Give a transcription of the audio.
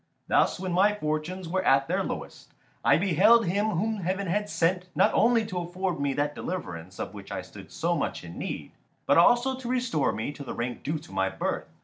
Thus when my fortunes were at their lowest I beheld him whom Heaven had sent not only to afford me that deliverance of which I stood so much in need, but also to restore me to the rank due to my birth.